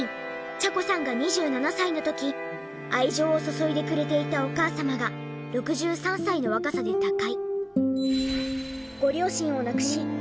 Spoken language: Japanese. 茶子さんが２７歳の時愛情を注いでくれていたお母様が６３歳の若さで他界。